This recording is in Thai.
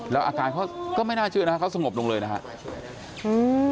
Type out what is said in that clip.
แล้วอาการเขาก็ไม่น่าเชื่อนะครับเขาสงบลงเลยนะครับ